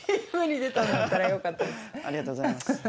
ありがとうございます。